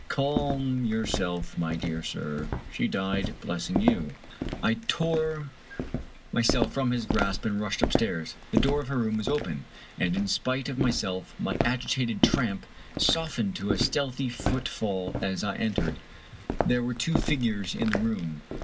Calm your self, my dear sir. She died blessing you." I tore myself from his grasp and rushed upstairs. The door of her room was open, and, in spite of myself, my agitated tramp softened to a stealthy footfall as I entered. There were two figures in the room.